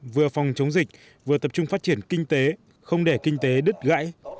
vừa phòng chống dịch vừa tập trung phát triển kinh tế không để kinh tế đứt gãy